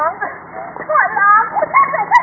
ขอบคุณที่ทำดีดีกับแม่ของฉันหน่อยครับ